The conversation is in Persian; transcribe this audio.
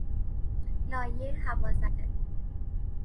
لایه هوازده